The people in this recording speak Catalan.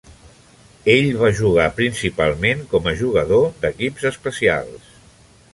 Ell va jugar principalment com a jugador d'equips especials.